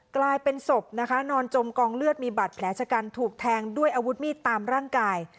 กลายเป็นศพนะคะนอนจมกองเลือดมีบาดแผลชะกันถูกแทงด้วยอาวุธมีดตามร่างกาย